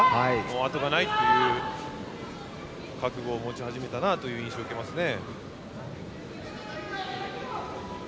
あとがないという覚悟を持ち始めたなという印象を受けますね。